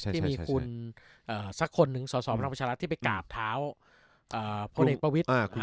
ที่มีคุณสักคนหนึ่งสสพลังประชารัฐที่ไปกราบเท้าพลเอกประวิทธิ์